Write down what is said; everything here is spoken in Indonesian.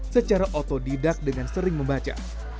secara otodidak dengan sering membaca